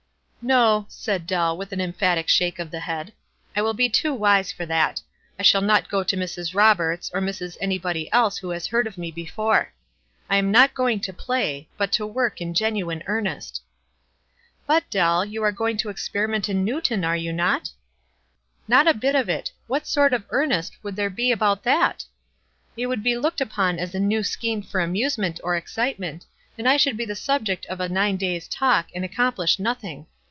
"No," said Dell, with an emphatic shake of the head. "I will be too wise for that. I shall not go to Mrs. Roberts' or Mrs. anybody else who has heard of me before. I'm not £oin£ to play, but to work in genuine earnest." "But, Dell, you are goiug to experiment in Newton, are you not?" 220 WISE AND OTHERWISE. " Not a bit of it ! What sort of f earnest would there be about that? It would be looked upon as a new scheme for amusement or excite ment, and I should be the subject of a nine days' talk, and accomplish nothing.